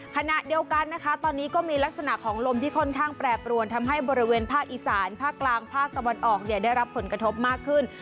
ขณะเดียวกันนะคะตอนนี้ก็มีลักษณะของลมที่ค่อนข้างแปรปรวนทำให้บริเวณภาคอีสานภาคกลางภาคตะวันออกเนี่ยได้รับผลกระทบมากขึ้น